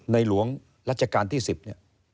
หลวงรัชกาลที่๑๐เนี่ย